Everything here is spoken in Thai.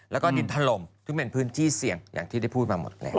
แล้วก็ดินถล่มซึ่งเป็นพื้นที่เสี่ยงอย่างที่ได้พูดมาหมดแล้ว